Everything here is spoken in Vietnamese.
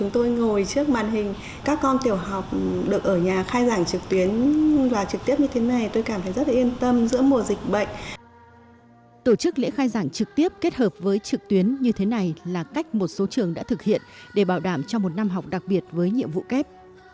tổ chức lễ khai giảng trực tiếp kết hợp với trực tuyến như thế này là cách một số trường đã thực hiện để bảo đảm cho một năm học đặc biệt với nhiệm vụ kép